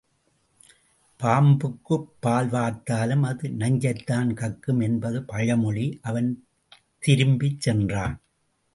பாம்புக்குப் பால் வார்த்தாலும் அது நஞ்சைத்தான் கக்கும் என்பது பழமொழி அவன் திரும்பிச் சென்றான்.